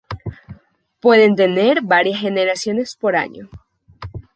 Pueden tener varias generaciones por año.